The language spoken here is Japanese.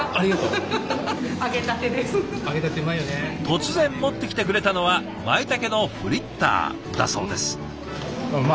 突然持ってきてくれたのはまいたけのフリッターだそうです。